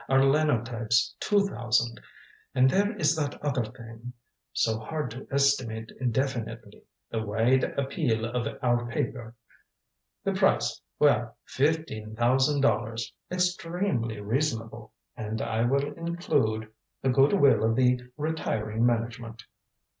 Our linotypes two thousand. And there is that other thing so hard to estimate definitely the wide appeal of our paper. The price well fifteen thousand dollars. Extremely reasonable. And I will include the good will of the retiring management."